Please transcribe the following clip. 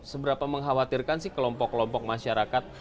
seberapa mengkhawatirkan sih kelompok kelompok masyarakat